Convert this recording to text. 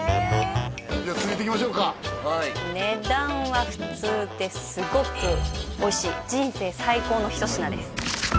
じゃあ続いていきましょうか値段は普通ですごくおいしい人生最高の一品です